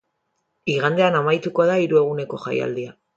Igandean amaituko da hiru eguneko jaialdia.